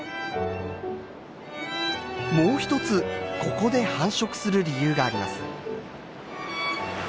もう一つここで繁殖する理由があります。